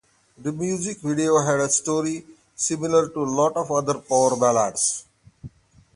The music video had a story similar to a lot of other power ballads.